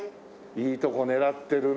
いいとこ狙ってるね。